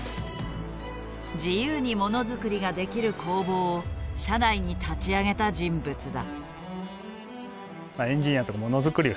自由にモノづくりができる工房を社内に立ち上げた人物だ。